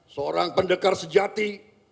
seorang pendekar sejati